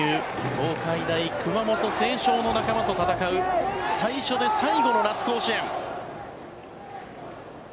東海大熊本星翔の仲間と戦う最初で最後の甲子園。